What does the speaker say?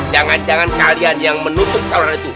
jangan jangan kalian yang menutup calon itu